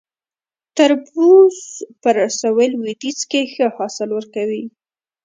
تربوز په سویل لویدیځ کې ښه حاصل ورکوي